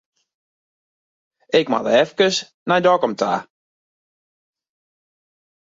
Ik moat efkes nei Dokkum ta.